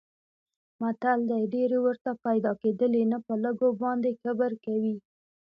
متل دی: ډېرې ورته پیدا کېدلې نه په لږو باندې کبر کوي.